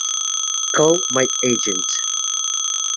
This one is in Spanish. Call My Agent!